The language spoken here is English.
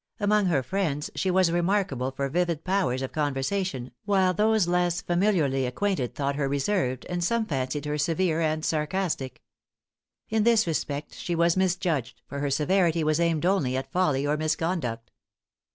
Among her friends she was remarkable for vivid powers of conversation, while those less familiarly acquainted thought her reserved, and some fancied her severe and sarcastic. In this respect she was misjudged, for her severity was aimed only at folly or misconduct.